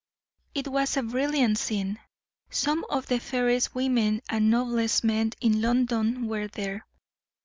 It was a brilliant scene. Some of the fairest women and noblest men in London were there.